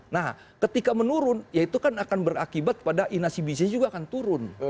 nah ketika menurun ya itu kan akan berakibat pada inasi bisnis juga akan turun